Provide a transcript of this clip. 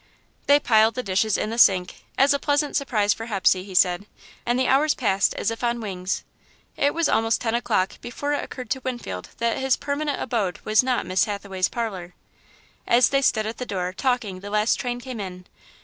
They piled the dishes in the sink, "as a pleasant surprise for Hepsey," he said, and the hours passed as if on wings. It was almost ten o'clock before it occurred to Winfield that his permanent abode was not Miss Hathaway's parlour. As they stood at the door, talking, the last train came in.